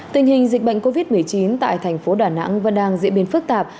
tình hình dịch bệnh covid một mươi chín tại thành phố đà nẵng vẫn đang diễn biến phức tạp